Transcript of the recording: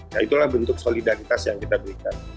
nah itulah bentuk solidaritas yang kita berikan